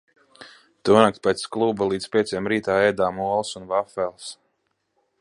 Tonakt pēc kluba līdz pieciem rītā ēdām olas un vafeles.